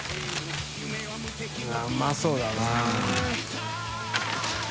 Δ錣うまそうだな。